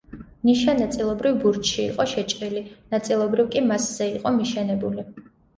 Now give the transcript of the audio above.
ნიშა ნაწილობრივ ბურჯში იყო შეჭრილი, ნაწილობრივ კი მასზე იყო მიშენებული.